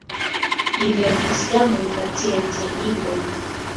Li verkis gamon da sciencaj libroj.